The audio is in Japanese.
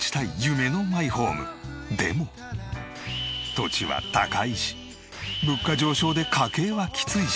土地は高いし物価上昇で家計はきついし。